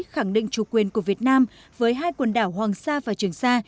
khẳng định chủ quyền của việt nam với hai quần đảo hoàng sa và trường sa